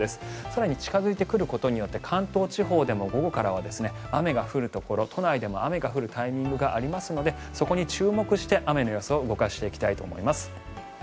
更に近付いてくることによって関東・甲信でも午後からは雨が降るところ都内でも雨が降るタイミングがありますのでそこに注目して雨の予想を動かしていきたいと思います。